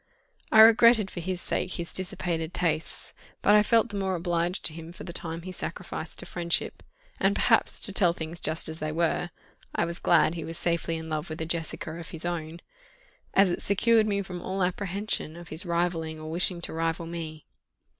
I regretted for his sake his dissipated tastes, but I felt the more obliged to him for the time he sacrificed to friendship; and perhaps, to tell things just as they were, I was glad he was safely in love with a Jessica of his own, as it secured me from all apprehension of his rivalling or wishing to rival me.